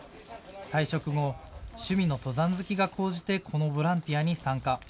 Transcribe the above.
退職後、趣味の登山好きが高じてこのボランティアに参加。